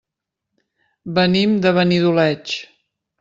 Venim de Benidoleig.